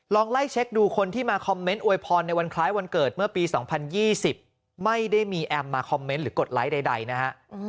ไล่เช็คดูคนที่มาคอมเมนต์อวยพรในวันคล้ายวันเกิดเมื่อปี๒๐๒๐ไม่ได้มีแอมมาคอมเมนต์หรือกดไลค์ใดนะฮะ